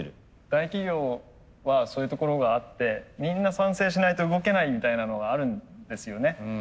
大企業はそういうところがあってみんな賛成しないと動けないみたいなのがあるんですよね。